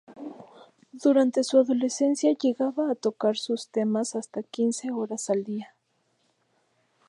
Durante su adolescencia llegaba a tocar sus temas hasta quince horas al día.